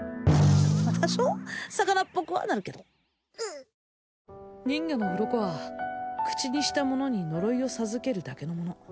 多少魚っぽくはなるけど人魚の鱗は口にした者に呪いを授けるだけのもの